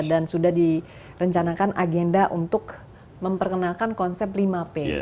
dan sudah direncanakan agenda untuk memperkenalkan konsep lima p